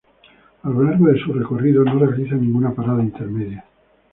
A lo largo de su recorrido no realiza ninguna parada intermedia.